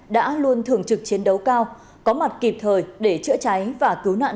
đã luôn thường trực chiến đấu cao có mặt kịp thời để chữa cháy và cứu nạn